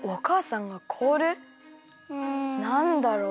なんだろう？